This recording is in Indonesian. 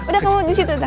udah kamu disitu dah